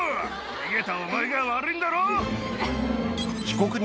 逃げたお前が悪いんだろ。